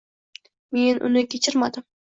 Men uni kechirmadim